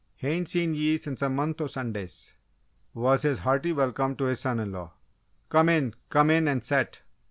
hain't seen ye since a month o' Sundays!" was his hearty welcome to his son in law. "Come in come in and set!"